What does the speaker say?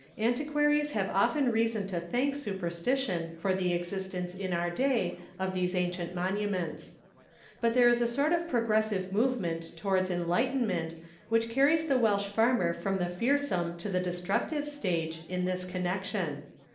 Antiquaries have often reason to thank superstition for the existence in our day of these ancient monuments. But there is a sort of progressive movement towards enlightenment which carries the Welsh farmer from the fearsome to the destructive stage, in this connection.